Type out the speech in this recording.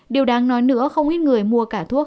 điều đáng nói nữa không ít người mua cả thuốc